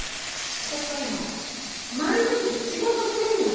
私は今まるふくで仕事してんの。